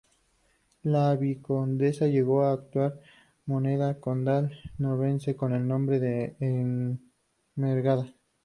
La vizcondesa llegó a acuñar moneda condal narbonense, con el nombre de Ermengarda.